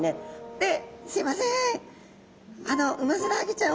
ですいません